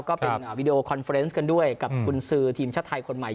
ก็เป็นวีดีโอคอนเฟอร์เนสกันด้วยกับกุญสือทีมชาติไทยคนใหม่